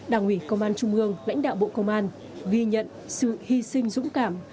đảng ủy công an trung ương lãnh đạo bộ công an ghi nhận sự hy sinh dũng cảm